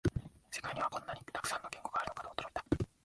世界にはこんなにたくさんの言語があるのかと驚いた